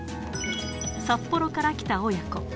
札幌から来た親子。